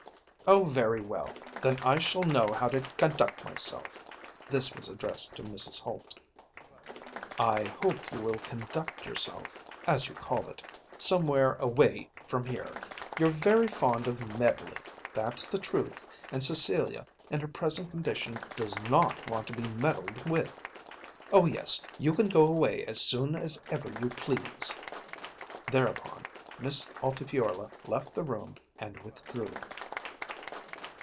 "Oh, very well! Then I shall know how to conduct myself." This was addressed to Mrs. Holt. "I hope you will conduct yourself, as you call it, somewhere away from here. You're very fond of meddling, that's the truth; and Cecilia in her present condition does not want to be meddled with. Oh, yes; you can go away as soon as ever you please." Thereupon Miss Altifiorla left the room and withdrew.